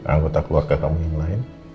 anggota keluarga kamu yang lain